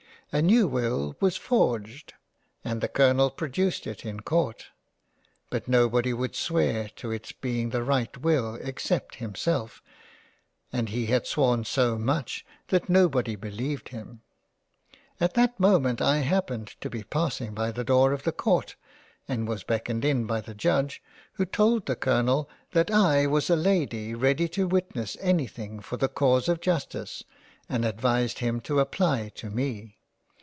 A new will was forged and the Colonel produced it in Court — but nobody would swear to it's being the right will except him self, and he had sworn so much that Nobody beleived him. At that moment I happened to be passing by the door of the Court, and was beckoned in by the Judge who told the Colonel 136 ^ SCRAPS ^ that I was a Lady ready to witness anything for the cause of Justice, and advised him to apply to me.